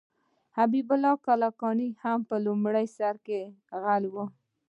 حبیب الله کلکاني هم په لومړي سر کې غل و.